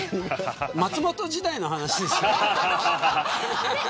松本時代の話ですよね。